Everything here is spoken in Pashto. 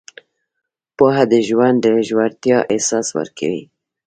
پوهه د ژوند د ژورتیا احساس ورکوي.